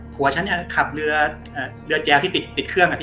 อ๋อผัวฉันขับเรือแจ้วที่ติดเครื่อง